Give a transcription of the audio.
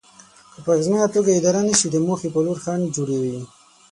که په اغېزمنه توګه اداره نشي د موخې په لور خنډ جوړوي.